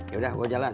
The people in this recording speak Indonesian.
ya udah gue jalan